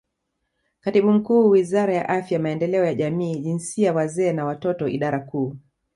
Katibu Mkuu Wizara ya Afya Maendeleo ya Jamii Jinsia Wazee na Watoto Idara Kuu